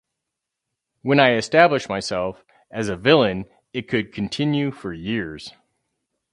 When I established myself as a villain it could continue for years.